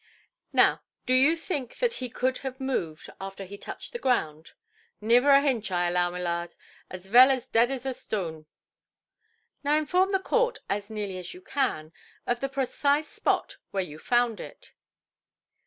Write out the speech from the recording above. "Now, do you think that he could have moved after he touched the ground"? "Nivir a hinch, I allow, my lard. A vell as dead as a stwoun". "Now inform the court, as nearly as you can, of the precise spot where you found it".